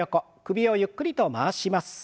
首をゆっくりと回します。